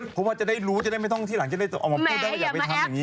เพราะว่าจะได้รู้จะได้ไม่ต้องที่หลังจะได้ออกมาพูดได้ว่าอย่าไปทำอย่างนี้